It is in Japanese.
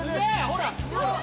ほら。